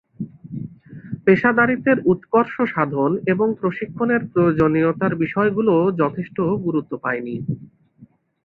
পেশাদারিত্বের উৎকর্ষ সাধন এবং প্রশিক্ষণের প্রয়োজনীয়তার বিষয়গুলোও যথেষ্ট গুরুত্ব পায় নি।